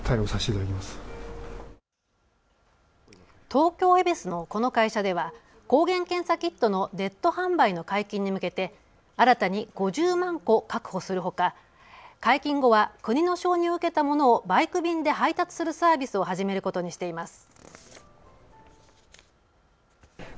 東京恵比寿のこの会社では抗原検査キットのネット販売の解禁に向けて新たに５０万個を確保するほか解禁後は国の承認を受けたものをバイク便で配達するサービスを始めることにしています。